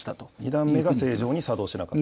２段目が正常に作動しなかった。